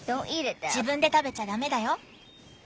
自分で食べちゃダメだよ。